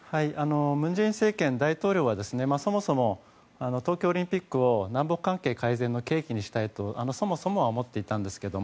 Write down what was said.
文在寅政権、大統領はそもそも、東京オリンピックを南北関係改善の契機にしたいと、そもそもは思っていたんですけれども。